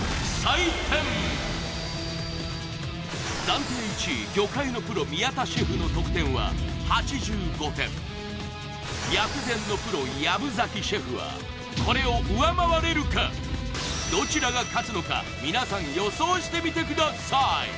暫定１位魚介のプロ宮田シェフの得点は８５点薬膳のプロ薮崎シェフはこれを上回れるかどちらが勝つのか皆さん予想してみてください